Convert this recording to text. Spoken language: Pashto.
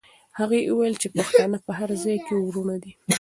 هغې وویل چې پښتانه په هر ځای کې وروڼه دي.